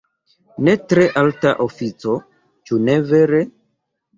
Ne tre alta ofico, ĉu ne vere?